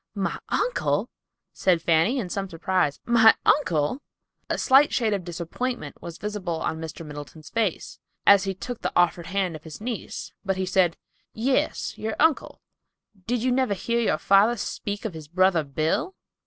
"My uncle!" said Fanny, in some surprise. "My uncle!" A slight shade of disappointment was visible on Mr. Middleton's face, as he took the offered hand of his niece, but he said, "Yes, your uncle. Did you never hear your father speak of his brother Bill?"